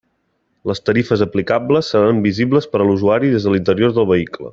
Les tarifes aplicables seran visibles per a l'usuari des de l'interior del vehicle.